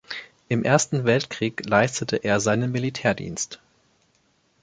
Im Ersten Weltkrieg leistete er seinen Militärdienst.